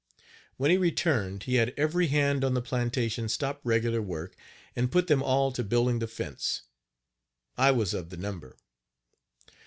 When he returned he had every hand on the plantation stop regular work, and put them all to building the fence. I was of the number.